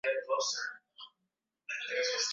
baadhi ya mawe yaliyopigwa yakavunjika vibaya sana